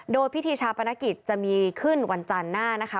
โดยพิธีชาปนกิจจะมีขึ้นวันจันทร์หน้านะคะ